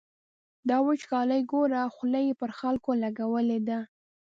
دا وچکالي ګوره، خوله یې پر خلکو لګولې ده.